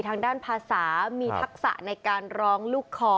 ทางด้านภาษามีทักษะในการร้องลูกคอ